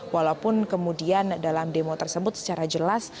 walaupun kemudian dalam demo tersebut secara jelas